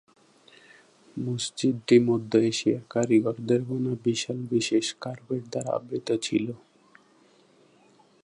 মসজিদটি মধ্য এশিয়ার কারিগরদের বোনা বিশাল বিশেষ কার্পেট দ্বারা আবৃত ছিল।